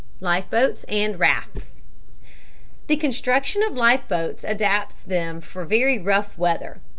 LIFEBOATS AND RAFTS The construction of life boats adapts them for very rough weather.